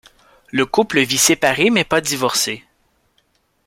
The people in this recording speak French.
Le couple vit séparé mais pas divorcé.